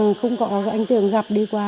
thì nếu mà cháu mà không có anh tưởng gặp đi qua